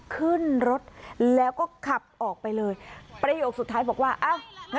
ขึ้นรถแล้วก็ขับออกไปเลยประโยคสุดท้ายบอกว่าอ้าว